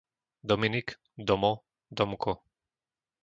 Dominik, Domo, Domko